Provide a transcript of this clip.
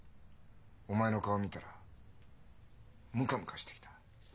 お前の顔見たらムカムカしてきた。